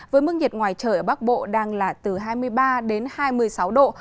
với mức nhiệt ngoài trời ở bắc bộ đang là từ hai mươi ba đến hai mươi sáu độ